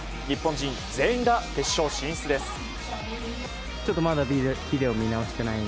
日本人全員が決勝進出です。